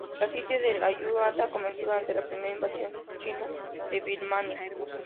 El sitio de Ayutthaya comenzó durante la primera invasión china de Birmania.